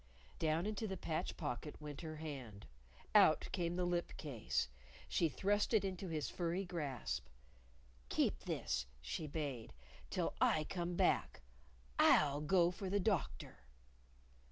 Down into the patch pocket went her hand. Out came the lip case. She thrust it into his furry grasp. "Keep this," she bade, "till I come back. I'll go for the Doctor."